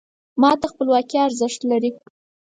ما ته خپلواکي ارزښت لري .